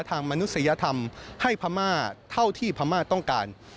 มนุษยธรรมให้พม่าเท่าที่พม่าต้องการ